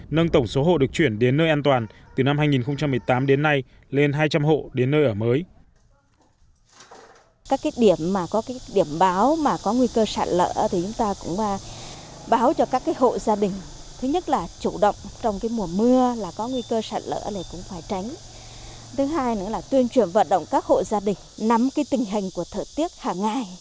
nâng tổng số hộ được chuyển đến nơi an toàn từ năm hai nghìn một mươi tám đến nay